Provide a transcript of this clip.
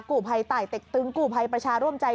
กู้ภัยไต่เต็กตึงกู้ภัยประชาร่วมใจ